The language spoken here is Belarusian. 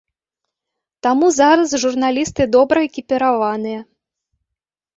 Таму зараз журналісты добра экіпіраваныя.